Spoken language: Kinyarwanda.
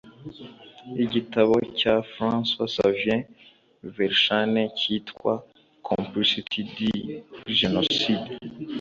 Igitabo cya Fran ois Xavier Verschane cyitwa Complicit du g nocide